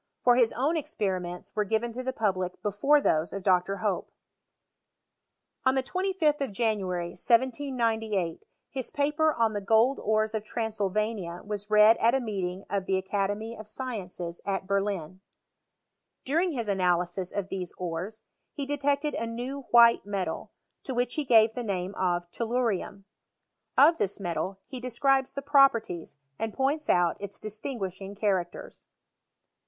For his own experi ments were given to the public before those of Dr. Hope. On the 25th of January, 1798, his paper on the gold ores of Transylvania was read at a meeting of the Academy of Sciences at Berlin. During his analysis of these ores, he detected a new white metal, to which he gave the name of tellurium. Of this metal he describes the properties, and points out its distinguishing characters.